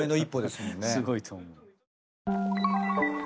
すごいと思う。